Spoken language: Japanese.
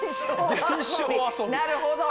なるほど。